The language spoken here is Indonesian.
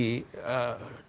nah karena itu misalnya